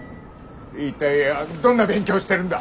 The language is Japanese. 一体どんな勉強してるんだ？